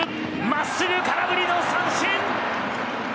真っすぐ空振りの三振。